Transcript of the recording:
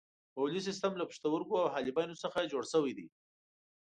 بولي سیستم له پښتورګو او حالبینو څخه جوړ شوی دی.